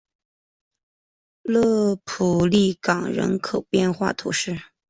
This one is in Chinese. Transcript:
勒普利冈人口变化图示